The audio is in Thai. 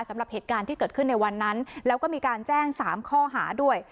สำหรับเหตุการณ์ที่เกิดขึ้นในวันนั้นแล้วก็มีการแจ้ง๓ข้อหาด้วย